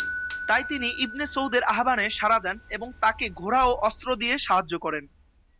তাই তিনি ইবনে সৌদের আহ্বানে সাড়া দেন এবং তাকে ঘোড়া ও অস্ত্র দিয়ে সাহায্য করেন।